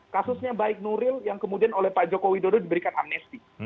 kasusnya baik nuril yang kemudian oleh pak joko widodo diberikan amnesti